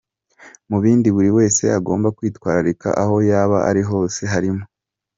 Mu bindi buri wese agomba kwitwararika aho yaba ari hose, harimo:.